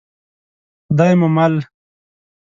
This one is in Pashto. خدای مو مل.